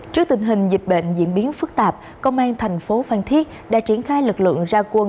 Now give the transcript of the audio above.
trước tình hình dịch bệnh diễn biến phức tạp công an thành phố phan thiết đã triển khai lực lượng ra quân